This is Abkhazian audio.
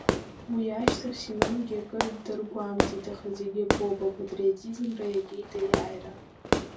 Уи ашьҭахь Семионгьы акыр ддыргәамҵит, аха зегь акоуп ипатриотизмра иагеит аиааира.